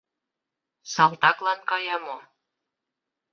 Салтаклан кая мо?